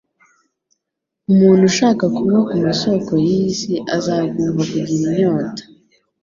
Umuntu ushaka kunywa ku masoko y'iyi si azagumva kugira inyota.